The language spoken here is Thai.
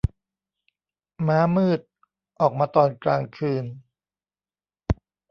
ม้ามืด ออกมาตอนกลางคืน